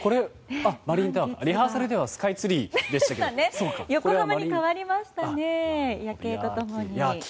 リハーサルではスカイツリーでしたけど。